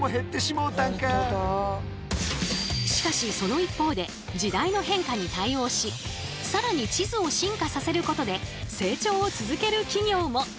しかしその一方で時代の変化に対応し更に地図を進化させることで成長を続ける企業も。